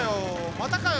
またかよ！